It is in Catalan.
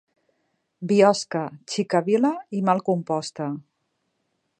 Biosca, xica vila i mal composta.